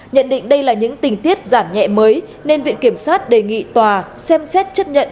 nhận định đây là những tình tiết giảm nhẹ mới nên viện kiểm sát đề nghị tòa xem xét chấp nhận